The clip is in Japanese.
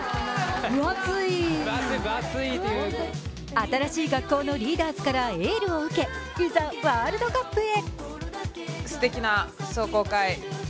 新しい学校のリーダーズからエールを受け、いざワールドカップへ。